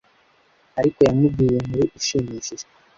ariko yamubwiye inkuru ishimishije